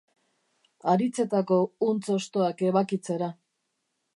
Haritzetako huntz hostoak ebakitzera.